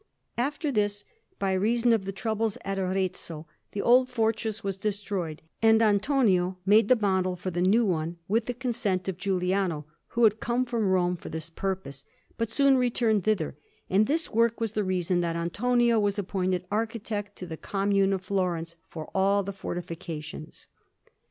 After this, by reason of the troubles at Arezzo, the old fortress was destroyed, and Antonio made the model for the new one, with the consent of Giuliano, who had come from Rome for this purpose, but soon returned thither; and this work was the reason that Antonio was appointed architect to the Commune of Florence for all the fortifications.